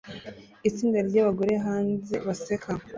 Itsinda ryabagore hanze baseka